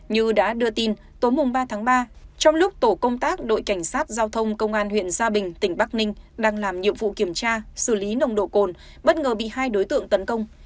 như đã đưa tin tối ba tháng ba trong lúc tổ công tác đội cảnh sát giao thông công an huyện gia bình tỉnh bắc ninh đang làm nhiệm vụ kiểm tra xử lý nồng độ cồn bất ngờ bị hai đối tượng tấn công